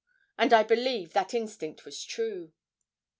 And I believe that instinct was true.